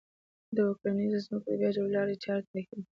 و کرنيزو ځمکو د بيا جوړولو لارې چارې ټاکي